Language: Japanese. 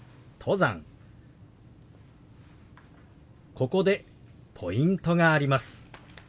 ここでポイントがあります。